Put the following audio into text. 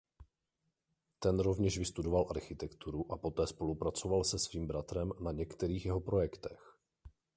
Ten rovněž vystudoval architekturu a poté spolupracoval se svým bratrem na některých jeho projektech.